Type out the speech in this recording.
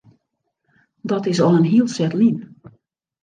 Dat is al in hiel set lyn.